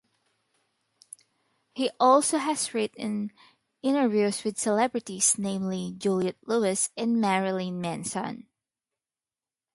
He also has written interviews with celebrities, namely, Juliette Lewis and Marilyn Manson.